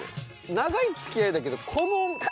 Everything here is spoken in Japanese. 長い付き合いだけど。